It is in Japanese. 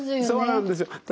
そうなんですよ。